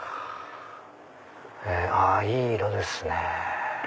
いい色ですね。